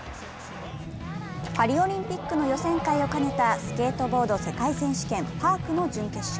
パリオリンピックの予選会を兼ねたスケートボード世界選手権パークの準決勝。